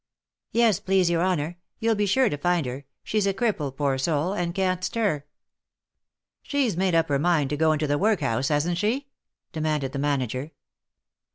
" Yes, please your honour — you'll be sure to find her. She's a cripple pour soul, and can't stir." " She's made up her mind to go into the workhouse, hasn't she V 9 demanded the manager.